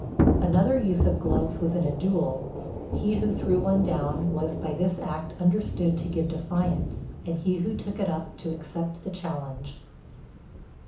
Another use of gloves was in a duel; he who threw one down was by this act understood to give defiance, and he who took it up to accept the challenge.